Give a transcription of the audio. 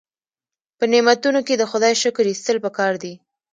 په نعمتونو کې د خدای شکر ایستل پکار دي.